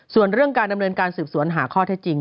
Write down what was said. ส่วนเรื่องการดำเนินการสืบสวนหาข้อเท็จจริง